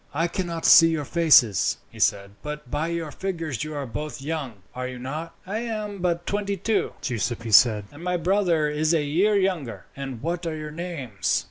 "I cannot see your faces," he said; "but by your figures you are both young, are you not?" "I am but twenty two," Giuseppi said, "and my brother is a year younger." "And what are your names?"